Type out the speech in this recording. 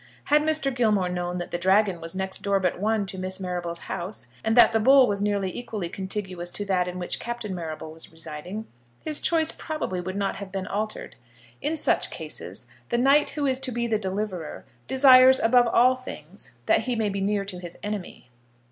Had Mr. Gilmore known that the Dragon was next door but one to Miss Marrable's house, and that the Bull was nearly equally contiguous to that in which Captain Marrable was residing, his choice probably would not have been altered. In such cases, the knight who is to be the deliverer desires above all things that he may be near to his enemy.